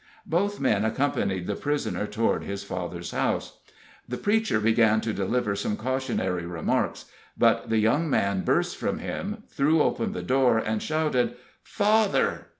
Both men accompanied the prisoner toward his father's house. The preacher began to deliver some cautionary remarks, but the young man burst from him, threw open the door, and shouted: "Father!"